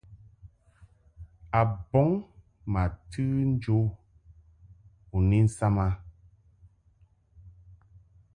A bɔŋ ma tɨ njo u ni nsam a.